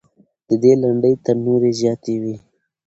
د دې لنډۍ تر تورې زیاتې وې.